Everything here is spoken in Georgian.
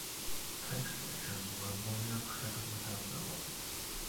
ტექსტი შესრულებულია მხედრული დამწერლობით.